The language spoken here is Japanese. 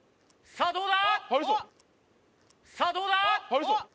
さあどうだ？